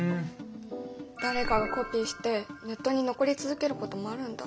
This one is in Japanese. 誰かがコピーしてネットに残り続けることもあるんだ。